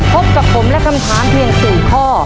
พบกับผมและคำถามเพียง๔ข้อ